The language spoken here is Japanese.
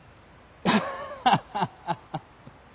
ハハハハハ！